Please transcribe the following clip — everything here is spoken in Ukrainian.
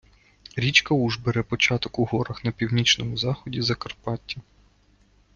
Річка Уж бере початок у горах на північному заході Закарпаття.